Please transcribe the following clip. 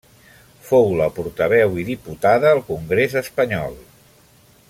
Fou la portaveu i diputada al Congrés Espanyol.